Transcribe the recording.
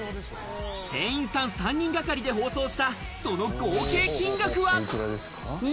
店員さん３人がかりで包装したその合計金額は。